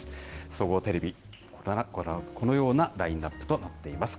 総合テレビ、このようなラインナップとなっています。